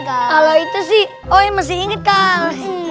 kalau itu sih oe masih inget kan